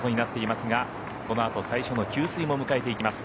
このあと最初の給水も迎えていきます。